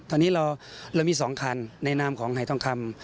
ตอนนี้เรามี๒คันในนามของหายทองคำ